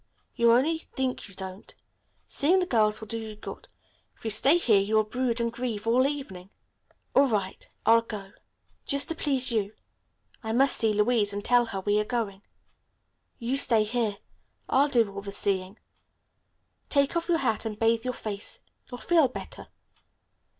"You only think you don't. Seeing the girls will do you good. If you stay here you'll brood and grieve all evening." "All right, I'll go; just to please you. I must see Louise and tell her we are going." "You stay here. I'll do all the seeing. Take off your hat and bathe your face. You'll feel better."